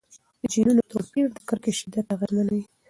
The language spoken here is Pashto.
د جینونو توپیر د کرکې شدت اغېزمنوي.